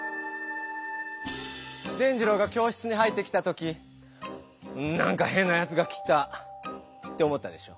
伝じろうが教室に入ってきた時「なんかへんなやつが来た」って思ったでしょ？